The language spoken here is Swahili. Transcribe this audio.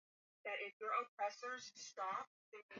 Ingawa Wajita wengi hawajui Kikerewe lakini inasemekana kuwa